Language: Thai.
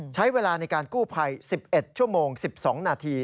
ใช้เวลาในการกู้ภัย๑๑ชั่วโมง๑๒นาที